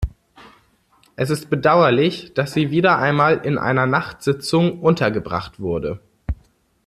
Es ist bedauerlich, dass sie wieder einmal in einer Nachtsitzung untergebracht wurde.